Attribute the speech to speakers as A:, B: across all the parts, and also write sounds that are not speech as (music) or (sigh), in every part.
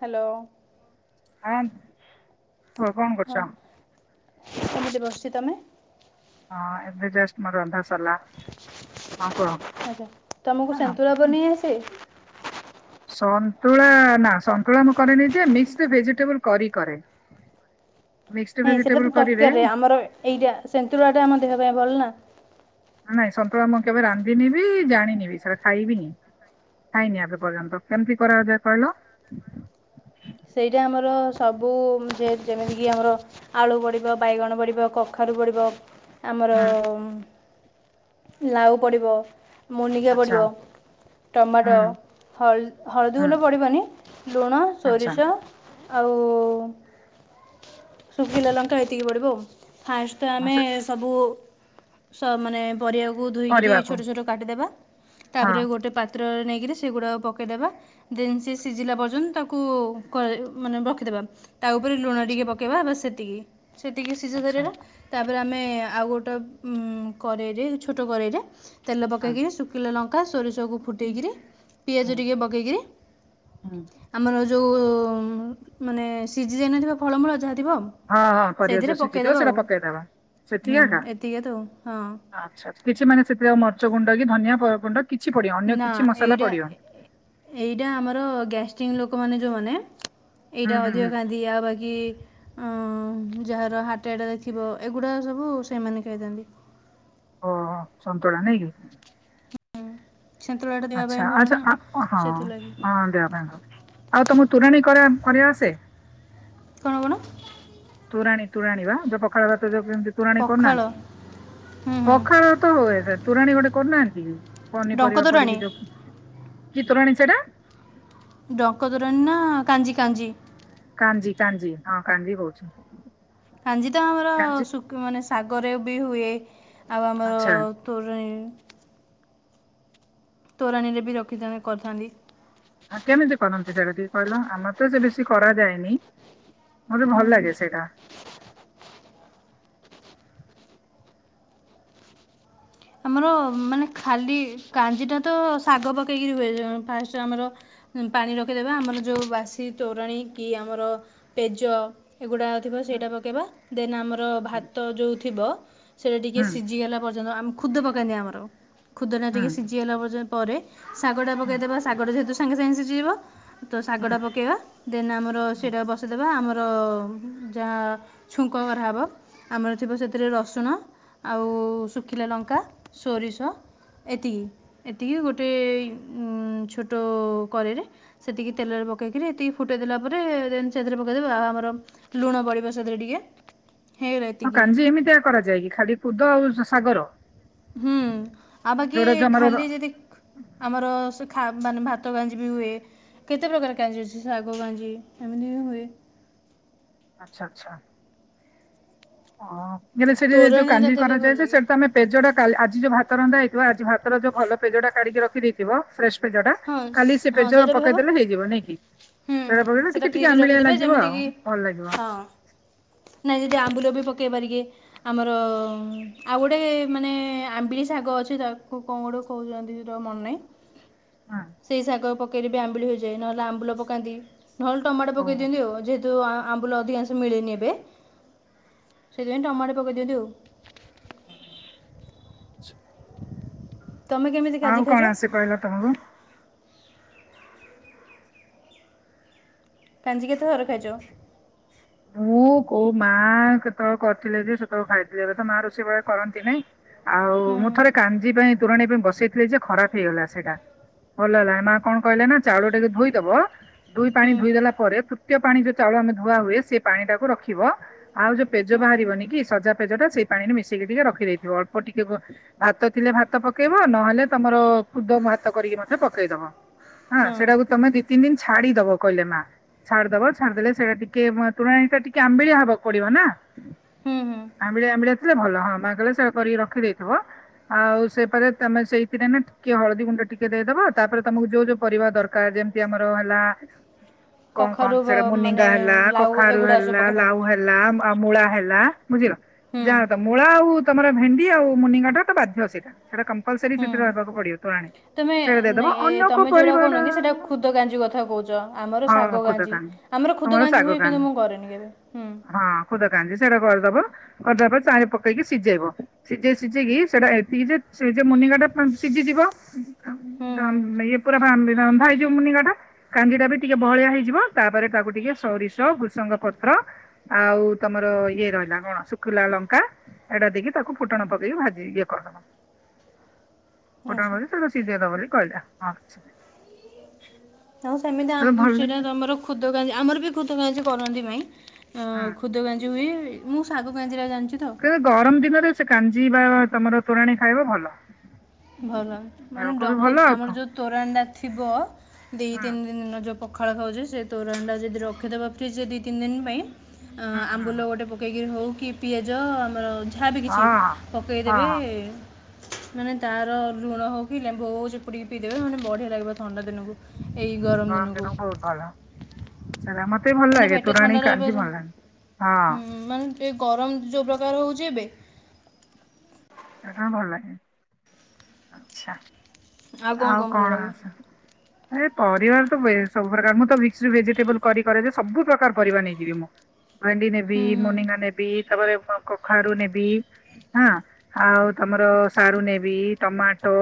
A: Hello.
B: ହ କୁହ କଣ
A: ହଁ
B: କରୁଛ?
A: ଏମିତି ବସିଛି ତମେ?
B: ହଁ ଏବେ ଜଷ୍ଟ ମୋ ରନ୍ଧା ସରିଲା ହଁ କୁହ।
A: ଆଛା ତମକୁ ସନ୍ତୁଳା ବନେଇ ଆସେ।
B: ସନ୍ତୁଳା ନା ସନ୍ତୁଳା ମୁଁ କରେନି ଯେ ମିକ୍ସ ଭେଜିଟେବୁଲ୍ କରି କରେ। ମିକ୍ସଡ
A: ନାଇଁ ସେଟା
B: ଭେଜିଟେବୁଲ
A: ତ
B: କରିରେ
A: ତରକାରୀରେ ଆମର ଏଇଟା ସନ୍ତୁଳା ଟା ଆମ ଦେହ ପାଇଁ ଭଲ ନା।
B: ନାଇଁ ସନ୍ତୁଳା ମୁଁ କେବେ ରାନ୍ଧିନିି ବି ଜାଣିନି ବି ସେଟା ଖାଇବି ନି। ଖାଇନି ଏବେ ପର୍ଯ୍ୟନ୍ତ କେମିତି କରା ଯାଏ କହିଲ।
A: ସେଇଟା ଆମର ସବୁ ଯେମିତିକି ଆମର। ଆଳୁ ପଡ଼ିବ ବାଇଗଣ ପଡ଼ିବ କଖାରୁ ପଡ଼ିବ। ଆମର
B: ହୁଁ
A: ଲାଉ ପଡ଼ିବ ମୁନିକା
B: ଆଚ୍ଛା
A: ପଡ଼ିବ। ଟମାଟୋ
B: ହୁଁ
A: ହଳ ହଳଦୀ
B: ହୁଁ
A: ଗୁଣ୍ଡ ପଡ଼ିବନି ଲୁଣ।
B: ଆଚ୍ଛା
A: ସୋରିଷ ଆଉ ଶୁଖିଲା ଲଙ୍କା ଏତିକି ପଡିବ ଆଉ। ଫାଷ୍ଟ୍
B: ହଁ,
A: ଆମେ
B: ସେ
A: ସବୁ ସ ମାନେ। ପରିବାକୁ ଧୋଇକିରି
B: କରିବାକୁ
A: ଛୋଟ ଛୋଟ କାଟିଦେବା
B: ହଁ।
A: ତାପରେ ଗୋଟେ ପାତ୍ର। ପାତ୍ରରେ ନେଇକିରି ସେଗୁଡ଼ାକ ପକାଇଦେବା ଦେନ୍ ସିଏ ସିଝିଲା ପର୍ଯ୍ୟନ୍ତ ତାକୁ। କୁ ମାନେ ରଖିଦବା ତା ଉପରେ ଲୁଣ
B: ଆଚ୍ଛା
A: ଟିକେ ପକେଇବା ବସ୍ ସେତିକି। ସେତିକି ସିଝା
B: ଆଚ୍ଛା
A: ସରିଗଲା। ତାପରେ ଆମେ ଆଉ ଗୋଟେ ଉଁ କଡ଼େଇରେ ଛୋଟ କଡ଼େଇରେ ତେଲ
B: ହଁ
A: ପକେଇକରି ଶୁଖି। ଶୁଖିଲା ଲଙ୍କା ସୋରିଷକୁ ଫୁଟେଇକିରି ପିଆଜ ଟିକେ ପକେଇକିରି।
B: ହୁଁ।
A: ଆମର ଯୋଉଁ ମାନେ ସିଝି ଯାଇନଥିବା ଫଳମୂଳ ଯାହା ଥିବ।
B: ହଁ ହଁ ପରିବା
A: ସେଇଥିରେ
B: ଯୋଉ ସିଝିଥିବ
A: ପକାଇଦେବା
B: ସେଟା
A: ଆଉ
B: ପକେଇଦବା ସେତିକି
A: ହୁଁ
B: ଏକା।
A: ଏତିକି ତ ହଁ
B: ଆଚ୍ଛା କିଛି ମାନେ ସେଥିରେ ଆଉ ମରିଚ ଗୁଣ୍ଡ କି ଧନିଆ ଗୁଣ୍ଡ କିଛି ପଡିବନି ଅନ୍ୟ
A: ନା
B: କିଛି ମସଲା
A: ଏଇଟା
B: ପଡିବନି।
A: ଏଇଟା ଆମର ଗ୍ୟାଷ୍ଟିକ୍ ଲୋକମାନେ ଯୋଉମାନେ
B: ହୁଁ
A: ଏଇଟା
B: ହୁଁ ହୁଁ
A: ଅଧିକ ଖାଆନ୍ତି। ଦିଆ ବାକି। ଅହ ଯାହାର ହାର୍ଟ ଆଟାକ୍ ଥିବ ଏଗୁଡା ସବୁ ସେମାନେ ଖାଇଥାନ୍ତି।
B: ଓହୋ ସନ୍ତୁଳା ନାଇଁକି।
A: ସନ୍ତୁଳାଟା ଦେହ ପାଇଁ
B: ଆଚ୍ଛା
A: ଭଲ
B: ଆଚ୍ଛା
A: ନା
B: ହଁ
A: ସେଥିଲାଗି
B: ହଁ ଦେହ ଭାଇ ଭଲ ଆଉ ତମକୁ ତୋରାଣୀ କରିବା ଆସେ।
A: କଣ କଣ।
B: ତୋରାଣୀ ତୋରାଣୀ ବା ଯୋଉ ପଖାଳ ଭାତ ଯୋଉ ପିଅନ୍ତି। ତୋରାଣୀ
A: ପଖାଳ
B: କରୁନାହାନ୍ତି
A: ହୁଁ ହୁଁ
B: ପଖାଳ ଭାତ ହୁଏ ତୋରାଣୀ ଗୋଟେ କରୁନାହାନ୍ତି କି।
A: ଡଙ୍କ
B: ପନିପରିବା
A: ତୋରାଣୀ
B: ପଡିକି ଯୋଉ କିି ତୋରାଣି ସେଟା।
A: ଡଙ୍କ ଦୋରଣୀ ନା କାଞ୍ଜି କାଞ୍ଜି।
B: କାଞ୍ଜି କାଞ୍ଜି ହଁ କାଞ୍ଜି ହିଁ ହଉଛି।
A: କାଞ୍ଜି ତ ଆମର ଶୁଖ ମାନେ ଶାଗରେ ବି ହୁଏ ଆଉ ଆମର।
B: ଆଚ୍ଛା।
A: ତୋରାଣି। ତୋରାଣୀରେ ବି ରଖିଥାନ୍ତୀ କରିଥାନ୍ତି।
B: ହ କେମିତି କରନ୍ତି ସେଟା ଟିକେ କହିଲ ଆମର ତ ସେ ବେଶି କରାଯାଏନି। ମତେ ଭଲ
A: ହୁଁ
B: ଲାଗେ ସେଇଟା।
A: ଆମର ମାନେ ଖାଲି କାଞ୍ଜିଟା ତ ଶାଗ ପକେଇକରି ହୁଏ ଫାଷ୍ଟ ଆମର। ପାଣି ରଖିଦେବେ ଆମର ଯୋଉଁ ବାସି ତୋରାଣ କି ଆମର ପେଜ। ଏଗୁଡ଼ା ଥିବ
B: ହୁଁ
A: ସେଇଟା ପକେଇବା ଦେନ୍ ଆମର ଭାତ ଯୋଉଁ ଥିବ। ସେଇଟା ଟିକିଏ
B: ହୁଁ
A: ସିଝିଗଲା ପର୍ଯ୍ୟନ୍ତ ଆମେ ଖୁଦ ପକାନ୍ତିି ଆମର ଖୁଦ ଟା
B: ହୁଁ।
A: ଟିକିଏ ସିଝିଗଲା ପଯ୍ୟ ପରେ। ଶାଗ ଟା
B: ହଁ
A: ପକେଇଦବା ଶାଗଟା ଯେହେତୁ ସାଙ୍ଗେ ସାଙ୍ଗେ ଶିଝିଯିବ। ତ
B: ହଁ
A: ଶାଗଟା ପକେଇବା ଦେନ୍ ଆମର
B: ହଁ
A: ସେଇଟା ବସେଇଦେବା ଆମର। ଯାହା ଛୁଙ୍କ କରାହବ ଆମର ଥିବ ସେଥିରେ ରସୁଣ ଆଉ ଶୁଖିଲା ଲଙ୍କା। ଙ୍କା ସୋରିଷ। ଏତିକି ଏତିକି ଗୋଟେ ଛୋଟ କରେଇରେ। ସେତିକି ତେଲରେ ପକେଇକିରି ଏତିକି ଫୁଟାଇ ଦେଲା ପରେ ଦେନ୍ ସେଥିରେ ପକାଇଦେବା ଆଉ ଆମର। ଲୁଣ ପଡିବ ସେଥିରେ ଟିକେ। ହେଇଗଲା
B: ହଁ
A: ଏତିକି
B: କାଞ୍ଜି ଏମିତି ଏକା କରାଯାଏ କି ଖାଲି ଖୁଦ ଆଉ ଶାଗର।
A: ହୁଁ ଆଉ ବାକି
B: ଯୋଉଟା ଯୋଉ ଆମର ର-
A: ଖାଲି ଯଦି। ଆମର ସେ ମାନେ ଭାତ କାଞ୍ଜି ବି ହୁଏ। କେତେ ପ୍ରକାର କାଞ୍ଜି ଅଛି, ଶାଗ କାଞ୍ଜି, ଏମିତି ବି ହୁଏ।
B: ଆଛା ଆଛା। ଓ, ହେଲେ ସେଠି ଯୋଉ
A: ତୋରାଣୀଟା
B: କାଞ୍ଜି
A: ଦେଲେ ଭଲ
B: କରାଯାଏ
A: ଲାଗେ
B: ସେଠି ତ ଆମେ - ପେଜଟାକା ଆଜି ଯୋଉ ଭାତ ରନ୍ଧା ହେଇଥିବ ଆଜି ଭାତର ଯୋଉ ଭଲ ପେଜ ଟା କାଢିକି ରଖିଦେଇଥିବ ଫ୍ରେସ ପେଜ ଟା,
A: ହଁ
B: କାଲି ସେ
A: ସ- ହଁ
B: ପେଜଟା
A: ସେଇଟା ବି ହେବ
B: ପକେଇଦେଲେ ହେଇଯିବ ନାଇଁ କି?
A: ହୁଁ
B: ସେଟା
A: ହୁଁ
B: ପକେଇଲେ
A: ସେଇଟା
B: ଟିକେ ଟିକେ
A: ଫ୍ରିଜରେ
B: ଆମ୍ବିଳିଆ
A: ରଖିଦେବେ
B: ଲାଗିବ ଆଉ
A: ଯେମିତିକି
B: ଭଲ ଲାଗିବ।
A: ହଁ ନାଇଁ ଯଦି ଆମ୍ବୁଲ ବି ପକେଇବା ଟିକେ। ଆମର ଆଉ ଗୋଟେ ମାନେ ଆମ୍ବିଲି ଶାଗ ଅଛି ତାକୁ କଣ ଗୋଟେ କହୁଛନ୍ତି ତ ମନେନାଇଁ।
B: ହଁ ଅଁ
A: ସେଇ ଶାଗ ପକେଇକ ବି ଆମ୍ବିଳି ହୋଇଯାଏ ନହେଲେ ଆମ୍ବୁଲ ପକାନ୍ତି। ନହେଲେ ଟମାଟୋ
B: ହଉ
A: ପକେଇ ଦିଅନ୍ତି ଆଉ, ଯେହେତୁ ଆମ୍ବୁଲ ଅଧିକାଂଶ ମିଳେନି ଏବେ। ସେଇଥିପାଇଁ ଟମାଟ ପକେଇ ଦିଅନ୍ତି ଆଉ।
B: ହୁଁ
A: ତମେ କେମିତି? କାଜି
B: ଆଉ
A: ଖାଇଛ
B: କଣ ଆସି କହିଲା ତମକୁ?
A: କାଞ୍ଜି କେତେ ଘର ଖାଇଛ?
B: ମୁଁ କୋଉ ମା କେତେବେଳେ କରିଥିଲେ ଯେ ସେତେବେଳେ ଖାଇଥିଲି, ଏବେ ତ ମା ରୋଷେଇ (unintelligible) କରନ୍ତି ନାଇଁ। ଆଉ
A: ହୁଁ
B: ମୁଁ ଥରେ କାଞ୍ଜି ପାଇଁ, ତୋରାଣି ପାଇଁ ବସେଇଥିଲି ଯେ, ଖରାପ ହେଇଗଲା ସେଇଟା। ଭଲ ହେଲା ମା କଣ କହିଲେ ନା, ଚାଉଳ ଟିକେ ଧୋଇଦବ ଦୁଇ ପାଣି
A: ହୁଁ
B: ଧୋଇଦେଲା ପରେ ତୃତୀୟ ପାଣି ଯୋଉ ଚାଉଳ ଆମେ ଧୁଆ ହୁଏ, ସେ ପାଣି ଟାକୁ ରଖିବ ଆଉ ଯୋଉ ପେଜ
A: ହୁଁ
B: ବାହାରିବନି କି, ସଜା ପେଜ ଟା ସେଇ ପାଣିରେ ମିଶେଇକି ଟିକେ ରଖିଦେଇଥିବ, ଅଳ୍ପ ଟିକେ ଭାତ ଥିଲେ ଭାତ ପକେଇବ, ନହେଲେ ତମର ଖୁଦ ଭାତ କରିକି ମଧ୍ୟ ପକେଇଦବ। ହଁ ସେଟାକୁ ତମେ ଦି ତିନ ଦିନ ଛାଡିଦବ କହିଲେ ମା, ଛାଡିଦବ ଛାଡିଦେଲେ ସେଇଟା ଟିକେ ତୋରାଣିଟା ଟିକେ ଆମ୍ବିଳିଆ ହବାକୁ ପଡିବ ନା,
A: ହୁଁ ହୁଁ
B: ଆମ୍ବିଳିଆ ଆମ୍ବିଳିଆ ଭଲ ହଁ, ମା କହଲେ ସେଟା କରିକି ରଖିଦେଇଥିବ ଆଉ ସେପ ତମେ ସେଇଥିରେ ନା ଟିକେ ହଳଦୀ ଗୁଣ୍ଡ ଟିକେ ଦେଇଦବ, ତାପରେ ତମକୁ ଯୋଉ ଯୋଉ ପରିବା ଦରକାର ଯେମତି ଆମର ହେଲା କଣ
A: କଖାରୁ
B: କହନ୍ତି ସେଇଟା
A: ମାନେ ଲାଉ, ଏଗୁଡ଼ାକ ସବୁ ପକେଇଥାନ୍ତି।
B: ଭଲ ଆ, ମୂଳା ହେଲା ବୁଝିଲ?
A: ହୁଁ
B: ଯାହା ତମେ ମୂଳା ଆଉ ତମର ଭେଣ୍ଡି ଆଉ (unintelligible) ତ ବାଧ୍ୟ ସେଇଟା ସେଇଟା କମ୍ପଲସରି ସେଥିରେ ରହିବାକୁ ପଡିବ ତୋରାଣି।
A: ତମେ ତମେ ଯୋଉଟା କହୁନ କି ସେଇଟା ଖୁଦ ଗାଞ୍ଜି କଥା କହୁଛ ଆମର
B: ହଁ
A: ଶାଗ
B: ଖୁଦ
A: ଗାଞ୍ଜି।
B: କାନି
A: ଆମର
B: ତମର
A: ଖୁଦକାଞ୍ଜି
B: ଶାଗ
A: ହୁଏ
B: କାନି
A: କିନ୍ତୁ ମୁଁ କରେନି କେବେ ହୁଁ।
B: ହଁ ଖୁଦ କାଞ୍ଜି ସେଇଟା କରିଦବ, କରିଦବା ପରେ ଚାରି ପକେଇକି ସିଝେଇବ। ସିଝେଇ ସିଝେଇକି ସେଟା ଏତିକି ଯେ ମୁନିଗା ଟା ସିଝିଯିବ।
A: ହୁଁ ହୁଁ
B: ଇଏ ପୁରା (unintelligible) ରନ୍ଧା ହେଇଯିବ ମୁନି କାଟା। କାଞ୍ଜି ଟା ବି ଟିକେ ବହଳିଆ ହେଇଯିବ ତାପରେ ତାକୁ ଟିକେ ସୋରିଷ ଘୃସଙ୍ଗ ପତ୍ର ଆଉ ତମର ଇଏ ରହିଲା କଣ, ଶୁଖୁିଲା ଲଙ୍କା। ଏଇଟା ଦେଇକି ତାକୁ ଫୁଟଣ ପକେଇକି ଭାଜି ଇଏ କରିଦେଲ। ଫୁଟଣ
A: ଆଚ୍ଛା
B: ପକେଇକି ସେଇଠୁ ସିଜିଗଲା ବୋଲି କହିଲା, ହଁ।
A: ଆଉ
B: ନାହିଁ
A: ସେମିତି
B: ଭଲ
A: ସେଇଟା
B: ହୁଁ।
A: ଆମର କ୍ଷୁଦ କାର୍ ଆମର ବି ଖୁଦ କାଞ୍ଜି କରନ୍ତି ମାଇଁ। ଖୁଦ କାଞ୍ଜି ହୁଏ, ମୁଁ ଶାଗ କାଞ୍ଜି ଟା ଜାଣିଛି ତ।
B: କିନ୍ତୁ ଗରମ ଦିନରେ ସେ କାଞ୍ଜି ବା ତମର ତୋରାଣି ଖାଇବ ଭଲ।
A: ଭଲ ମାନେ
B: ଦେହକୁ ବି
A: ଡଙ୍କ
B: ଭଲ ଆଉ
A: ଆମର
B: କଣ।
A: ଯେଉଁ ତୋରାଣଟା ଥିବ ଦୁଇ
B: ହୁଁ
A: ତିନି
B: ହୁଁ
A: ଦିନର ଯେଉଁ ପଖାଳ ଖାଉଛି ସେ ତୋରାଣଟା ଯଦି ରଖିଦେବା ଫ୍ରିଜରେ ଦୁଇ ତିନି ଦିନ ପାଇଁ,
B: ହୁଁ ହୁଁ।
A: ଆମ୍ବୁଲ ଗୋଟେ ପକେଇକି ହେଉ କି ପିଆଜ, ଆମର ଯାହା ବି
B: ହଁ
A: କିଛି
B: ହଁ
A: ପକାଇଦେବେ
B: ହଁ ହଁ
A: ମାନେ ତା ର ଲୁଣ ହଉ କି ଲେମ୍ବୁ ହଉ ଚିପୁଡ଼ିକି ପିଇ ଦେବେ, ମାନେ ବଢିଆ ଲାଗିବ ଥଣ୍ଡା ଦିନକୁ। ଏଇ ଗରମ
B: ତୋରାଣୀ ଦିନ
A: ଦିନକୁ।
B: ବହୁତ ଭଲ ଶେରା ମତେ ଭଲ
A: ମାନେ
B: ଲାଗେ
A: ପେଟ
B: ତୋରାଣୀ
A: ଥଣ୍ଡା ରହିବ
B: କାନ୍ତି ଭଲ ଲାଗନେ ହଁ।
A: ମାନେ ଟିକେ ଗରମ ଯୋଉ ପ୍ରକାର ହେଉଛି ଏବେ
B: ସେଟା ଭଲ ଲାଗେ ଆଛା। ଆଉ କଣ ଆସ ଏ ପରିବାର ତ ସବୁ ପ୍ରକାର ମୁଁ ତ ଭେଜିଟେବୁଲରେ ସବୁ ପ୍ରକାର ପରିବା ନେଇଯିବି ମୁଁ ଭାଣ୍ଡି ନେବି
A: ହୁଁ
B: ମୁନିଙ୍ଗା ନେବି ତାରେ କଖାରୁ ନେବି ହାଁ। ଆଉ ତମର ସାରୁ ନେବି ଟମାଟୋ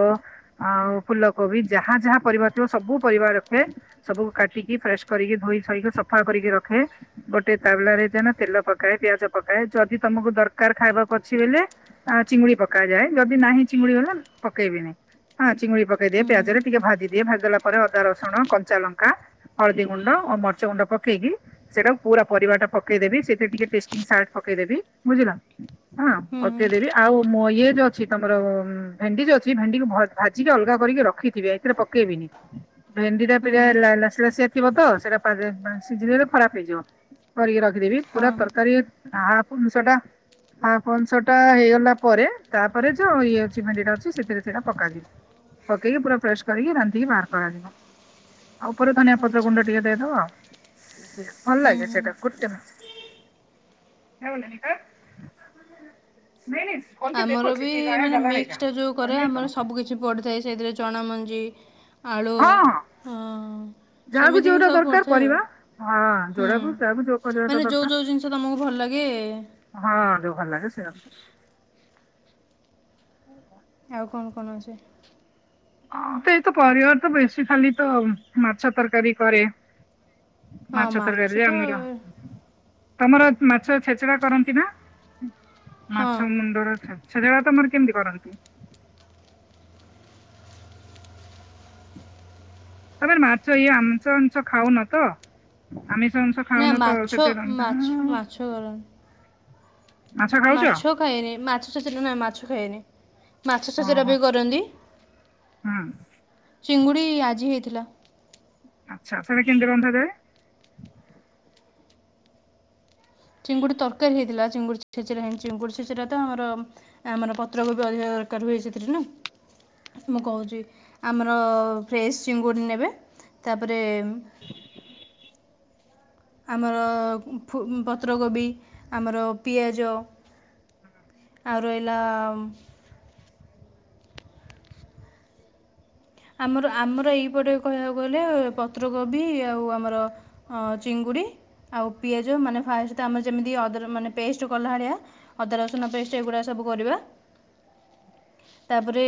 B: ଆଉ ଫୁଲକୋବି ଯାହା ଯାହା ପରିବା ଥିବ ସବୁ ପରିବା ରଖେ। ସବୁ କାଟିକି ଫ୍ରେଶ କରିକି ଧୋଇ ସୋଇକି ସଫା କରିକି ରଖେ। ଗୋଟେ ତାବଲାରେ ଯେ ତେଲ ପକାଏ ପିଆଜ ପକାଏ ଯଦି ତମକୁ ଦରକାର ଖାଇବାକୁ ଅଛି ବୋଇଲେ ଆ ଚିଙ୍ଗୁଡି ପକାଯାଏ ଯଦି ନାହିଁ ଚିଙ୍ଗୁଡି ଗଲା ପକେଇବିନି ହଁ ଚିଙ୍ଗୁଡି ପକେଇ ପକେଇ ଦିଏ
A: ହୁଁ ହୁଁ
B: ପିଆଜରେ ଟିକେ ଭାଜିଦିଏ ଭାଜିଦେଲା ପରେ ଅଦା ରସୁଣ କଞ୍ଚା ଲଙ୍କା ହଳଦୀ ଗୁଣ୍ଡ ଓ ମର୍ଚ୍ଚ ଗୁଣ୍ଡ ପକେଇକି ସେଇଟାକୁ ପୁରା ପରିବାଟା ପକେଇଦବି ସେଥିରେ ଟିକେ ତେଷ୍ଟିଂ ସଲ୍ଟ ପକେଇଦେବି ବୁଝିଲ? ହଁ ଓ
A: ହୁଁ
B: ପକେଇ ଦେବି। ଆଉ ମୁଁ ଇଏ ଯୋଉ ଅଛି ତମର ଭେଣ୍ଡିଜ ଅଛି ଭେଣ୍ଡି କି ଭାଜିକି ଅଲଗା କରିକି ରଖିଥିବେ। ସେଥିରେ ପକେଇବିନି। ଭେଣ୍ଡିଟା
A: ହୁଁ
B: ପିଲା
A: ହୁଁ
B: ଲାସି ଲାସିଆ ଥିବ ତ ସେଇଟା ସିଝିନରେ ଖରାପ ହେଇଯିବ। କରିକି ରଖିଦେବି ପୁରା
A: ହଁ
B: ତରକାରୀ ହାଂଶଟା ହାପ୍ ଅଂଶଟା ହେଇଗ ଲା ପରେ ତାପରେ ଯୋଉ ଇଏ ଅଛି ଭେଣ୍ଡିଟା ଅଛି ସେଥିରେ ସେଇଟା ପକାଯିବ। ପକେଇକି ପୁରା ଫ୍ରେସ୍ କରିକି ରାନ୍ଧିକୀ ବାହାର କରାଯିବ। ଆଉ ଉପରେ ଧନିଆ ପତ୍ର
A: ଆଚ୍ଛା
B: ଗୁଣ୍ଡ ଟିକେ ଦେଇଦବା। ଭଲ
A: ହୁଁ
B: ଲାଗେ
A: ହୁଁ
B: ସେଟା ଗୁଟେ ମିନିଟ୍। ଫିନିଶ୍।
A: ଆମର ବି ମାନେ ମିକ୍ସଟା ଯୋଉ କରେ ଆମର ସବୁ କିିଛି ପଡ଼ିଥାଏ ସେଇଥିରେ ଚଣା ମଞ୍ଜି ଆଳୁ
B: ହଁ
A: ହଁ
B: ଯାହାକୁ
A: ସେମିତି ହିଁ
B: ଯୋଉଟା
A: ସବୁ
B: ଦରକାର
A: କରିଥାଏ ଆ
B: କରିବା ହଁ
A: ହୁଁ
B: ଯୋଉଟାକୁ ଯାହାକୁ ଯୋଉ କରିବାଟା
A: ମାନେ ଯୋଉ
B: ଦରକାର
A: ଯୋଉ ଜିନିଷ ତ ତମକୁ ଭଲ ଲାଗେ
B: ହଁ ଯୋଉ ଭଲ ଲାଗେ ସେ (inaudible)
A: ଆଉ କଣ କଣ ଅଛି?
B: ସେତ ପରିବାର ତ ବେଶୀ ଖାଲି ତ ମାଛ ତରକାରୀ କରେ।
A: ହଁ ମାଛ
B: ମାଛତରକାରୀ
A: ତ
B: ଆମର। ତମର ମାଛ ଛେଚଡା କରନ୍ତି ନା
A: ହଁ
B: ମାଛ ମୁଣ୍ଡର ଛେ ସେଗରା ତମର କେମିତି କରନ୍ତି? ତମ ମାଛ ଇଏ ଆମିଷ ଆମିଷ ଖାଉନ ତ ଆମିଷ ଆମିଷ
A: ନା
B: ଖାଉନ ତ ଆଉ
A: ମାଛ
B: ସେଠି ରନ୍ଧା
A: ମାଛ ମାଛ କରନ୍ତି ମାଛ ଖାଏନି ମାଛ ସେ ନ ମାଛ ଖାଏନି ମାଛଛେଚରା
B: ଓହୋ
A: ବି କରନ୍ତି
B: ହୁଁ
A: ଚିଙ୍ଗୁଡ଼ି ଆଜି ହେଇଥିଲା।
B: ଆଚ୍ଛା ସେଟା କେମିତି ରନ୍ଧା ଯାଏ?
A: ଚିଙ୍ଗୁଡ଼ି ତରକାରୀ ହେଇଥିଲା ଚିଙ୍ଗୁଡି ଛେଚରା ହେ ଚିଙ୍ଗୁଡି ଛେଚିରା ତ ଆମର ଆ ମାନେ ପତ୍ରକୋବି ଅଧିକା ଦରକାର ହୁଏ ସେଥିରେ ନା। ମୁଁ କହୁଛି ଆମର ଫ୍ରେଶ୍ ଚିଙ୍ଗୁଡ଼ି ନେବେ ତାପରେ ଆମର ଫୁ ପତ୍ରକୋବି ଆମର ପିଆଜ ଆଉ ରହିଲା ଆମର ଆମର ଏଇପଟେ କହିବାକୁ ଗଲେ ପତ୍ରକୋବି ଆଉ ଆମର ଅ ଚିଙ୍ଗୁଡି ଆଉ ପିଆଜ ମାନେ ଫାଷ୍ଟ ଆମର ଯେମିତି ଅ ମାନେ ପେଷ୍ଟ କଲା ଭଳିଆ ଅଦା ରସୁଣ ପେଷ୍ଟ ଏଗୁଡ଼ାକ ସବୁ କରିବା। ତାପରେ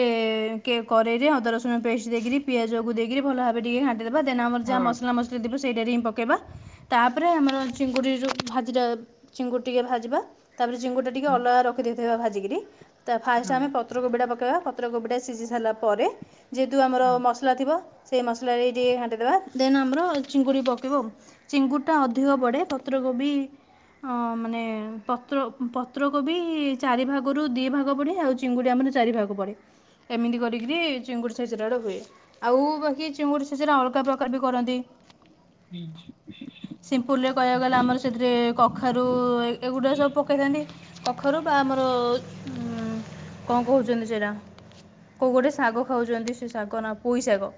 A: କଡ଼େଇରେ ଅଦା ରସୁ ଣ ପେଷ୍ଟ ଦେଇକରି ପିଆଜକୁ ଦେଇକରି ଭଲ ଭାବରେ ଟିକେ ଘାଣ୍ଟିଦେବା ଦେନ ଆମ
B: ହଁ
A: ଯାହା ମସଲା ମସଲି ଯଦି ହବ୍ ସେଇଟାରେ ହିଁ ପକେଇବା। ତାପରେ ଆମର ଚିଙ୍ଗୁଡି ରୁ ଭାଜିରା ଚିଙ୍ଗୁଡ଼ି ଟିକେ ଭାଜିବା। ତାପରେ ଚିଙ୍ଗୁଡି ଟା ଟିକେ ଅଲଗା ରଖି ଦେଇଥିବା ଭାଜିକିରି ତା ଫାର୍ଷ୍ଟ
B: ହୁଁ
A: ଆମେ ପତ୍ରକୋବି ଟା ପକେଇବା। ପତ୍ରକୋବି ଟା ସିଝି ସାରିଲା ପରେ ଯେହେତୁ ଆମର
B: ହୁଁ
A: ମସଲା ଥିବ ସେଇ ମସଲାରେ ଟିକେ ଘାଣ୍ଟିଦବା। ଦେନ୍ ଆମର ଚିଙ୍ଗୁଡ଼ି ପକେଇବ ଚିଙ୍ଗୁଡ଼ିଟା ଅଧିକ ପଡ଼େ ପତ୍ରକୋବି। ଅ ମାନେ ପତ୍ର ପତ୍ରକୋବି ଚାରି ଭାଗରୁ ଦି ଭାଗ ପଡ଼େ ଆଉ ଚିଙ୍ଗୁଡ଼ି ଆମର ଚାରି ଭାଗ ପଡେ ଏମିତି କରିକିରି ଚିଙ୍ଗୁଡ଼ି ଛେ଼ଛେଡା ଟା ହୁଏ ଆଉ ବାକି ଚିଙ୍ଗୁଡ଼ି ଛେ଼ଛେଡା ଅଲଗା ପ୍ରକାର ବି କରନ୍ତି।
B: ହୁଁ।
A: ସିମ୍ପୁଲରେ କହିବାକୁ ଗଲେ ଆମର ସେଥିରେ କଖାରୁ ଏଇ ଏଗୁଡ଼ା ସବୁ ପକେଇଥାନ୍ତି। କଖାରୁ ବା ଆମର ଉଁ କଣ କହୁଛନ୍ତି ସେଇଟା। କୋଉ ଗୋଟେ ଶାଗ ଖାଉଛନ୍ତି ସେ ଶାଗ ନା ପୁଇ ଶାଗ।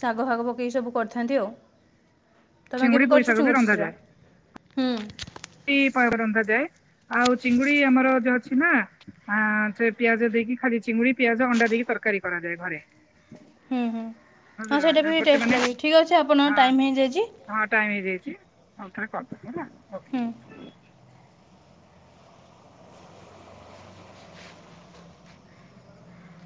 A: ଶାଗ ଫାଗ ପକେଇକ ସବୁ କରିଥାନ୍ତି ଆଉ। ତମେ
B: ଚିଙ୍ଗୁଡି
A: କେବେ
B: ପୋଇ
A: କରିଛ
B: ଶାଗ ବି
A: ଚିଙ୍ଗୁଡି ଛେଛେଡା? ହୁଁ।
B: ପୁଇ ପା ରନ୍ଧାଯାଏ ଆଉ ଚିଙ୍ଗୁଡି ଆମର ଯୋଉ ଅଛି ନା। ଆ ସେ ପିଆଜ ଦେଇକି ଖାଲି ଚିଙ୍ଗୁଡି ପିଆଜ ଅଣ୍ଡା ଦେଇକି ତରକାରୀ କରାଯାଏ ଘରେ।
A: ହୁଁ ହୁଁ ହଁ
B: ବୁଝିଲ
A: ସେଇଟା ବି
B: ଗୋଟେ ମାନେ
A: ଟେଷ୍ଟ ଲାଗେ ଠିକ୍ ଅଛି ଆପଣ
B: ହଁ
A: ଟାଇମ୍ ହେଇଯାଇଛି।
B: ହଁ ଟାଇମ ହେଇଯାଇଛି ଆଉ ଥରେ କଲ୍ କରୁଚି ହେଲା
A: ହୁଁ।
B: ଓକେ।